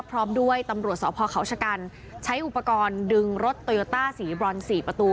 พร้อมด้วยตำรวจสพเขาชะกันใช้อุปกรณ์ดึงรถโตโยต้าสีบรอน๔ประตู